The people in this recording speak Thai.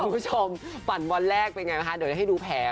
คุณผู้ชมปั่นวันแรกเป็นไงนะคะเดี๋ยวให้ดูแผล